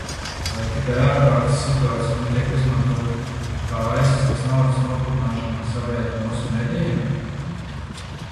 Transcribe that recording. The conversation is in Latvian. Vai tikai ārkārtas situācija netiek izmantota kā aizsegs naudas nopludināšanai savējiem masu medijiem?